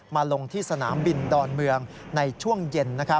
มาลงที่สนามบินดอนเมืองในช่วงเย็น